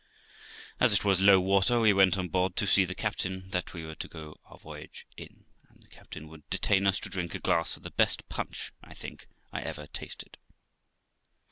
As it was low water, we went on board to see the cabin that we were to go our voyage in, and the captain would detain us to drink a glass of the best punch, I think, I ever tasted.